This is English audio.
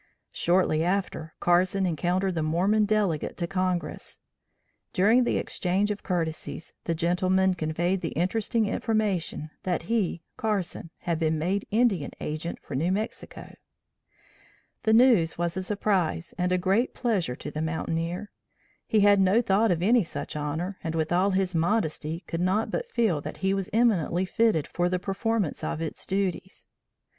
Shortly after Carson encountered the Mormon delegate to Congress. During the exchange of courtesies, the gentleman conveyed the interesting information that he Carson had been made Indian Agent for New Mexico. The news was a surprise and a great pleasure to the mountaineer. He had no thought of any such honor and with all his modesty could not but feel that he was eminently fitted for the performance of its duties.